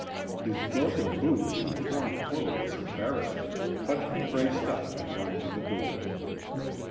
His broken boots and torn clothes embarrassed him, but he braced up and went to the door.